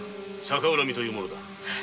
「逆恨み」というものだ。